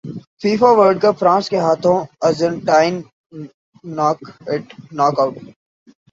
FIFA World cup France کے ہاتھوں Argentine knock it